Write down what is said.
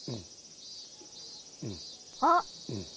あっ！